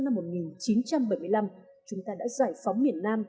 năm một nghìn chín trăm bảy mươi năm chúng ta đã giải phóng miền nam